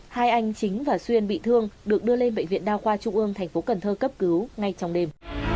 hai anh chính và xuyên bị thương được đưa lên bệnh viện đao khoa trung ương tp cn cấp cứu ngay trong đêm